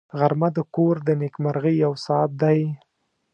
غرمه د کور د نېکمرغۍ یو ساعت دی